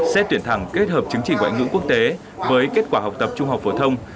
xét tuyển thẳng kết hợp chứng chỉnh ngoại ngữ quốc tế với kết quả học tập trung học phổ thông